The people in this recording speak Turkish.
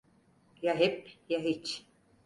Ya hep ya hiç.